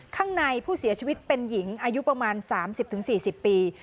ข้างในผู้เสียชีวิตเป็นหญิงอายุประมาณ๓๐๔๐ปี